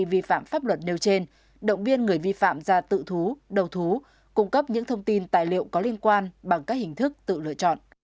vi phạm pháp luật nêu trên động viên người vi phạm ra tự thú đầu thú cung cấp những thông tin tài liệu có liên quan bằng các hình thức tự lựa chọn